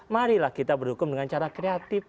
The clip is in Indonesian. marilah kita berhukum dengan cara kreatif